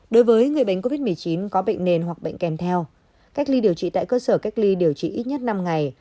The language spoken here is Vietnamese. đối với người bệnh covid một mươi chín có bệnh nền hoặc bệnh kèm theo cách ly điều trị tại cơ sở cách ly điều trị ít nhất năm ngày